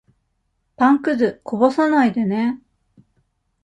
パンくず、こぼさないでね。